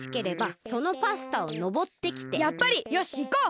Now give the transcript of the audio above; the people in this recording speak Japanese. やっぱり！よしいこう！